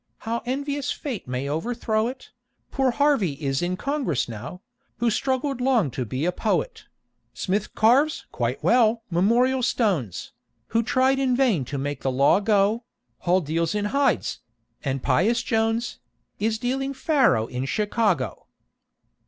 How envious Fate may overthrow it! Poor HARVEY is in Congress now, Who struggled long to be a poet; SMITH carves (quite well) memorial stones, Who tried in vain to make the law go; HALL deals in hides; and "PIOUS JONES" Is dealing faro in Chicago!